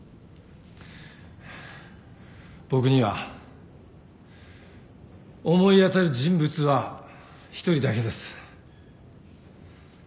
僕には思い当たる人物は一人だけです。